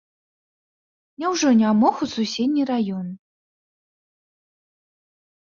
Няўжо не мог у суседні раён?